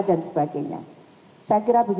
dan sebagainya saya kira begitu